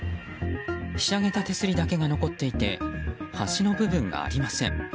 ひしゃげた手すりだけが残っていて橋の部分がありません。